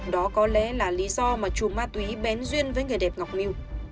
đó có lẽ là lý do mà chùm ma túy bén duyên với người đẹp ngọc miu